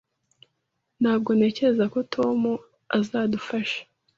Ntabwo ntekereza ko Tom azadufasha.